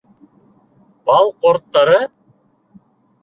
Бал ҡорттары?